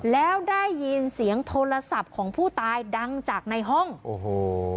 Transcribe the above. แล้วได้ยินเสียงโทรศัพท์ของผู้ตายดังจากในห้องโอ้โห